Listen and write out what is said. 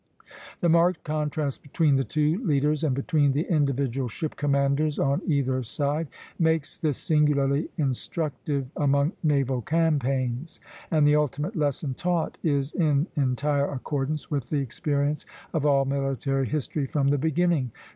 The marked contrast between the two leaders, and between the individual ship commanders, on either side, makes this singularly instructive among naval campaigns; and the ultimate lesson taught is in entire accordance with the experience of all military history from the beginning.